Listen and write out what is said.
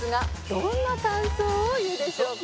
どんな感想を言うでしょうか？」